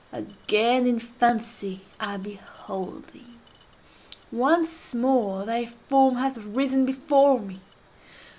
Again in fancy I behold thee! Once more thy form hath risen before me!